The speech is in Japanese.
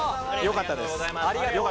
よかったです。